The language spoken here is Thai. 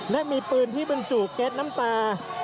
และมีปืนที่บรรจุแก๊สน้ำตา